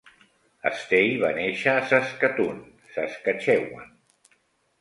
Estey va néixer a Saskatoon, Saskatchewan.